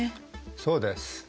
そうです。